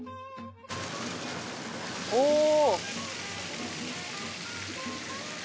「おお」